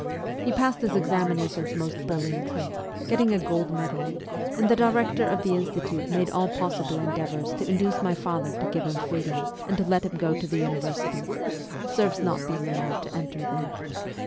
He passed his examinations most brilliantly, getting a gold medal, and the director of the Institute made all possible endeavours to induce my father to give him freedom and to let him go to the university serfs not being allowed to enter there.